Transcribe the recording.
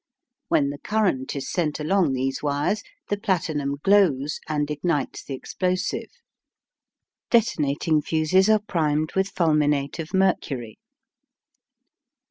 When the current is sent along these wires, the platinum glows and ignites the explosive. Detonating fuses are primed with fulminate of mercury.